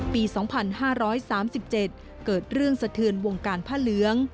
ปี๒๕๓๗เกิดเรื่องสะเทือนวงการผ้าเหลือง